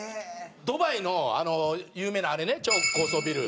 ドバイのあの有名なあれね超高層ビル。